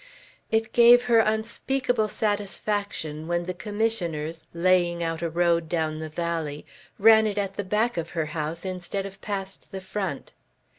It gave her unspeakable satisfaction, when the Commissioners, laying out a road down the valley, ran it at the back of her house instead of past the front.